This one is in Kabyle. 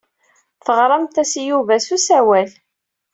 Teɣramt-as i Yuba s usawal.